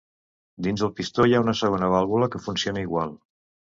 Dins el pistó, hi ha una segona vàlvula que funciona igual.